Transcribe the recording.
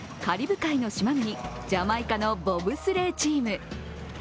カリブ海の島国、ジャマイカのボブスレーチーム。